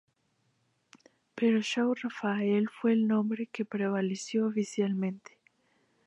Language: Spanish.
Pero São Rafael fue el nombre que prevaleció oficialmente.